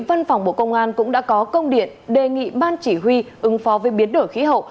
văn phòng bộ công an cũng đã có công điện đề nghị ban chỉ huy ứng phó với biến đổi khí hậu